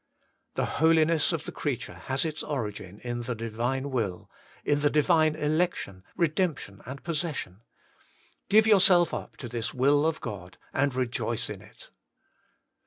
4. The holiness of the creature has Its origin in the Divine will, in the Divine election, redemption, and possession. Qiue yourself up to this will of God and rejoice in it.